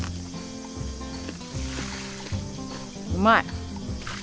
うまい！